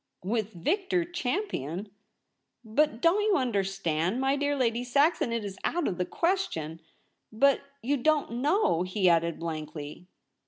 * With Victor Champion ! But — don't you understand ? My dear Lady Saxon, it is out of the question. But you don't know/ he added blankly.